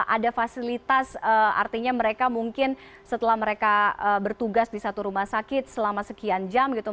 ada fasilitas artinya mereka mungkin setelah mereka bertugas di satu rumah sakit selama sekian jam gitu